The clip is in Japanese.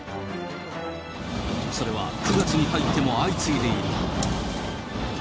それは９月に入っても相次いでいる。